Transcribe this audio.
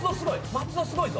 松尾すごいぞ！